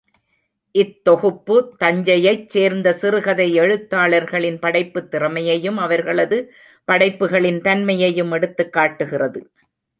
இத்தொகுப்பு தஞ்சையைச் சேர்ந்த சிறுகதை எழுத்தாளர்களின் படைப்புத் திறமையையும், அவர்களது படைப்புக்களின் தன்மையையும் எடுத்துக்காட்டுகிறது.